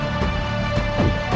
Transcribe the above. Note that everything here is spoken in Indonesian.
aku mau ke kanjeng itu